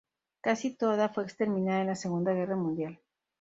Casi toda fue exterminada en la Segunda Guerra Mundial.